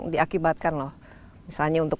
diakibatkan loh misalnya untuk